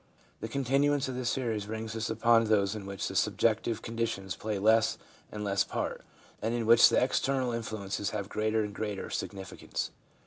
The continuance of the series brings us upon those in which the subjective conditions play less and less part, and in which the external influences have greater and greater significance.